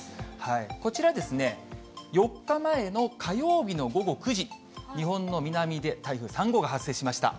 こちら、４日前の火曜日の午後９時、日本の南で台風３号が発生しました。